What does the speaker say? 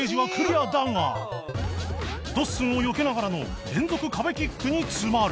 ドッスンをよけながらの連続壁キックに詰まる